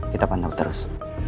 kita pantau terus